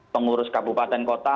pengurus kabupaten kota